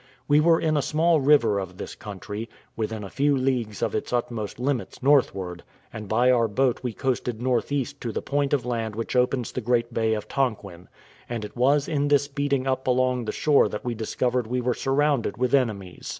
We were in a small river of this country, within a few leagues of its utmost limits northward; and by our boat we coasted north east to the point of land which opens the great bay of Tonquin; and it was in this beating up along the shore that we discovered we were surrounded with enemies.